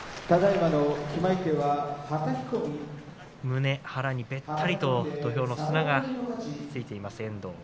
胸、腹にべったりと土俵の砂がついています、遠藤。